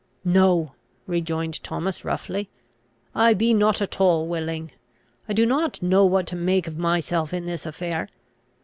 "No," rejoined Thomas, roughly; "I be not at all willing. I do not know what to make of myself in this affair.